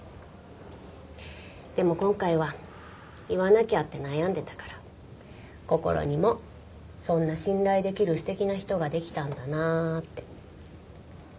でも今回は言わなきゃって悩んでたからこころにもそんな信頼できる素敵な人ができたんだなあって。